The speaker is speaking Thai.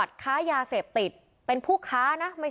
สวัสดีครับ